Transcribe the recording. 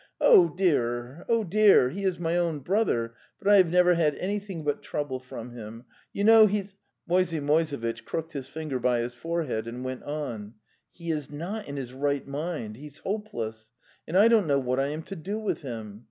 Oh dear, oh dear! He is my own brother, but I have never had anything but trouble from him. You know he's. .." Moisey Moisevitch crooked his finger by his fore head and went on: 'Heiss not in, /his)irieht mind)... \.'chels lope less. And I don't know what I am to do with him!